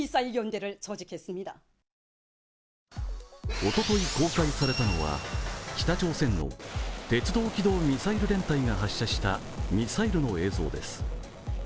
おととい公開されたのは北朝鮮の鉄道機動ミサイル連隊が発射したミサイルの映像です。